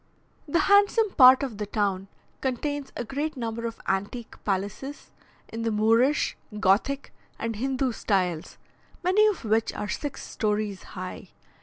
The handsome part of the town contains a great number of antique palaces, in the Moorish, Gothic, and Hindoo styles, many of which are six stories high.